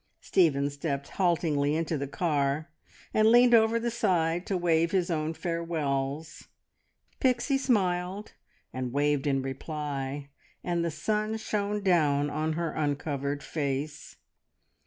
Stephen stepped haltingly into the car, and leaned over the side to wave his own farewells. Pixie smiled, and waved in reply, and the sun shone down on her uncovered face.